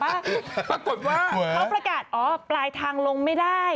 ปรากฏว่าเขาประกาศอ๋อปลายทางลงไม่ได้